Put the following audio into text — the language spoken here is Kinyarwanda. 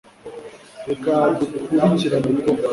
Reka dukurikirane Tom